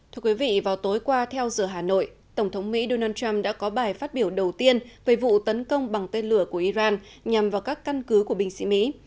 thưa quý vị vào tối qua theo giờ hà nội tổng thống mỹ donald trump đã có bài phát biểu đầu tiên về vụ tấn công bằng tên lửa của iran nhằm vào các căn cứ của binh sĩ mỹ